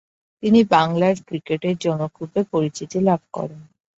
তিনি বাংলার ক্রিকেটের জনকরূপে পরিচিতি লাভ করেন।